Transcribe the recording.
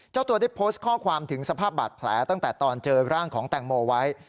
เจ้าตัวได้โพสต์ข้อความถึงสภาพบาดแผลตั้งแต่ตอนเจอร่างของแตงโมไว้